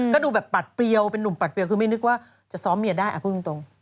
ก็ดูแบบปัดเปรี้ยวเป็นนุ่มปัดเรียวคือไม่นึกว่าจะซ้อมเมียได้พูดตรง